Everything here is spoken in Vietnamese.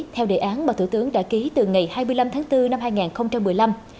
theo đề án mà thủ tướng đã ký từ ngày hai mươi năm tháng bốn năm hai nghìn một mươi năm